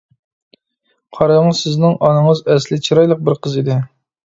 قاراڭ، سىزنىڭ ئانىڭىز ئەسلى چىرايلىق بىر قىز ئىدى.